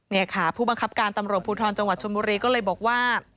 นี่ค่ะผู้บังคับการตำรวจภูทรจังหวัดชนบุรีก็เลยบอกว่า